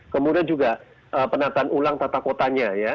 kemudian juga penataan ulang tata kotanya ya